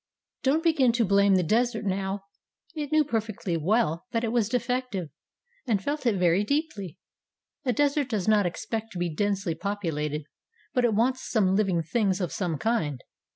Don't begin to blame the Desert now. It knew perfectly well that it was defective, and felt it very deeply. A desert does not expect to be densely popu lated, but it wants some living things of some kind.